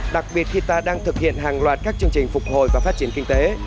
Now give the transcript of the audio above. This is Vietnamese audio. đặc biệt khi ta đang thực hiện hàng loạt các chương trình phục hồi và phát triển kinh tế